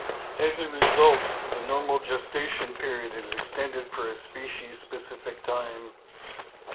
As a result, the normal gestation period is extended for a species-specific time.